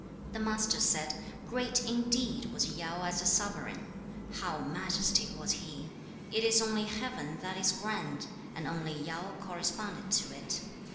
The Master said, 'Great indeed was Yao as a sovereign! How majestic was he! It is only Heaven that is grand, and only Yao corresponded to it.